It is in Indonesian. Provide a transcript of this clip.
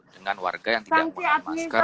dengan warga yang tidak pakai masker